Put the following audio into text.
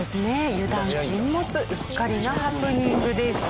油断禁物うっかりなハプニングでした。